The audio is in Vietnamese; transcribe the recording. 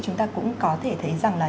chúng ta cũng có thể thấy rằng là